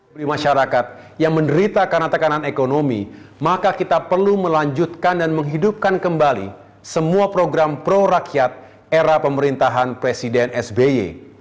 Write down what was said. beli masyarakat yang menderita karena tekanan ekonomi maka kita perlu melanjutkan dan menghidupkan kembali semua program pro rakyat era pemerintahan presiden sby